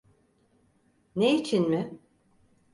Ne için mi?